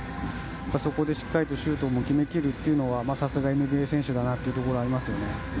そこでしっかりとシュートも決めきるというのはさすがＮＢＡ選手だなというところがありますね。